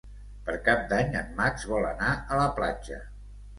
Per Cap d'Any en Max vol anar a la platja.